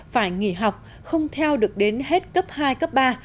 phải nghỉ học không theo được đến hết cấp hai cấp ba